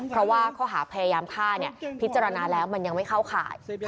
เพราะว่าข้อหาพยายามฆ่าพิจารณาแล้วมันยังไม่เข้าข่าย